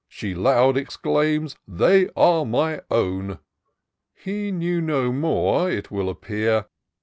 She loud exclaims —* They are my own !' He knew no more, it will appear.